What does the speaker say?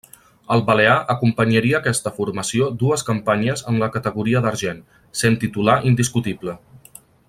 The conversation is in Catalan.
El balear acompanyaria aquesta formació dues campanyes en la categoria d'argent, sent titular indiscutible.